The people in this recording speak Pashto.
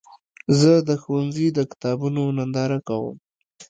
زه د ښوونځي د کتابونو ننداره کوم.